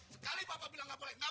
sekali bapak bilang gak boleh gak boleh